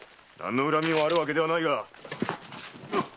何の恨みもあるわけではないが！